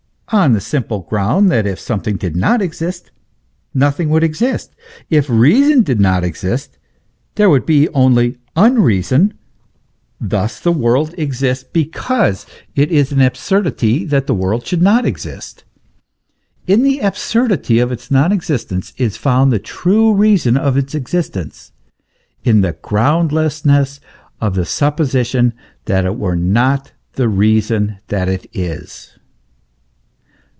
on the simple ground that if something did not exist, nothing would exist; if reason did not exist, there would be only unreason; thus the world exists because it is an absurdity that the w r orld should not exist. In the absurdity of its non existence is found the true reason of its existence, in the groundlessness 42 THE ESSENCE OF CHRISTIANITY. of the supposition that it were not, the reason that it is.